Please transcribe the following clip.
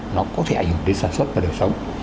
nó có thể ảnh hưởng đến sản xuất và đời sống